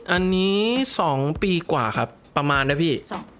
อันนี้๒ปีกว่าครับประมาณนะพี่